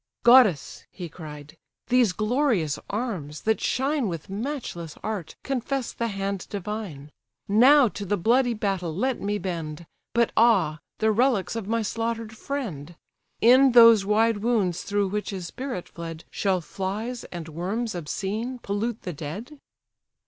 "Goddess! (he cried,) these glorious arms, that shine With matchless art, confess the hand divine. Now to the bloody battle let me bend: But ah! the relics of my slaughter'd friend! In those wide wounds through which his spirit fled, Shall flies, and worms obscene, pollute the dead?"